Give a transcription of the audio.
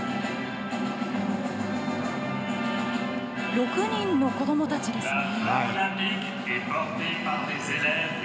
６人の子どもたちですね。